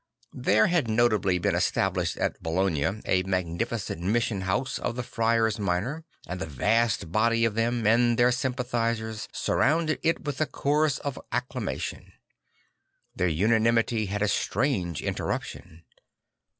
There had notably been established at Bologna a magnificent mission house of the Friars Minor; and a vast body of them and their sympathisers surrounded it with a chorus of acclamation. Their unanimity had a strange interruption.